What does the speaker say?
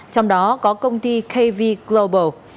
trong đó có công ty kv global